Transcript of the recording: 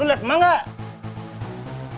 lo liat emak gak